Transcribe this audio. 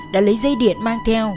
đã lấy dây điện mang theo